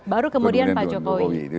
baru kemudian pak jokowi